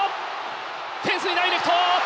フェンスにダイレクト。